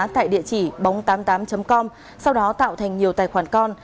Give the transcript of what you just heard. tại địa chỉ bóng tám mươi tám com sau đó tạo thành nhiều tài khoản con